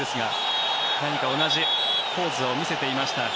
何か同じポーズを見せていました。